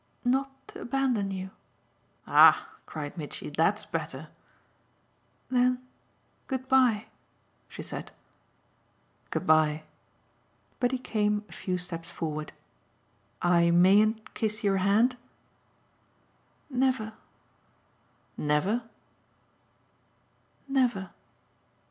"Not to abandon you." "Ah," cried Mitchy, "that's better!" "Then good bye," she said. "Good bye." But he came a few steps forward. "I MAYN'T kiss your hand?" "Never." "Never?" "Never."